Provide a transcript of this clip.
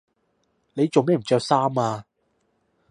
你做咩唔着衫呀？